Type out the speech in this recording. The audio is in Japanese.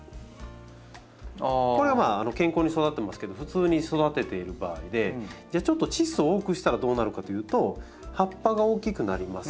これはまあ健康に育ってますけど普通に育てている場合でちょっとチッ素を多くしたらどうなるかというと葉っぱが大きくなります。